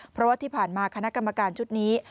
เพราะว่าที่ผ่านมาคณะกรรมการชุดนี้